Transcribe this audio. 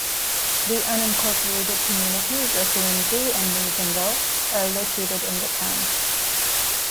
The unincorporated communities of Lindsey and Nasonville are located in the town.